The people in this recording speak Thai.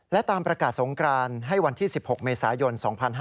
และตามประกาศสงกรานให้วันที่๑๖เมษายน๒๕๕๙